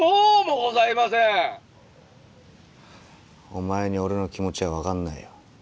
お前に俺の気持ちは分かんないよ。